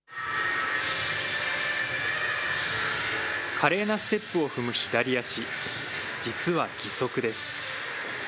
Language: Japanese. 華麗なステップを踏む左足、実は義足です。